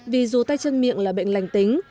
vì dù tay chân miệng là bệnh lành tính